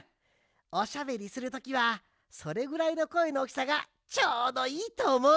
おしゃべりするときはそれぐらいのこえのおおきさがちょうどいいとおもう。